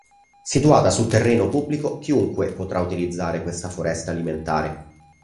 Situata su terreno pubblico, chiunque potrà utilizzare questa foresta alimentare.